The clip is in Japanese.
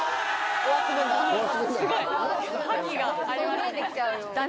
すごい。